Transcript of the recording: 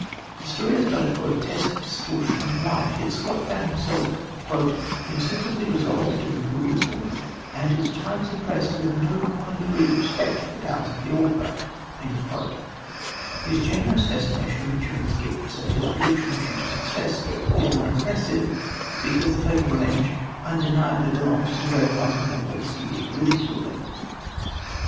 The story is but a grotesque distortion of life, yet Scott found himself "insensibly involved in the perusal and at times impressed with no common degree of respect for the powers of the author." His generous estimate of Maturin's gifts and his prediction of future success is the more impressive, because The Fatal Revenge undeniably belongs to the very class of novels he was ridiculing.